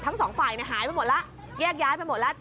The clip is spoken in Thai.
ทั้งสองฝ่ายหายไปหมดแล้วแยกย้ายไปหมดแล้ว